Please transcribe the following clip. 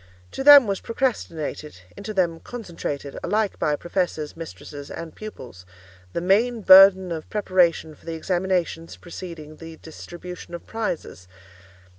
To them was procrastinated—into them concentrated, alike by professors, mistresses, and pupils—the main burden of preparation for the examinations preceding the distribution of prizes.